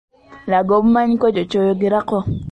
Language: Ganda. Laga obumanyi kw'ekyo ky'oygerako.